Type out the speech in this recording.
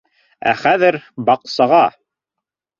—Ә хәҙер —баҡсаға!